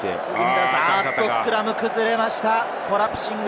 スクラム崩れました、コラプシング。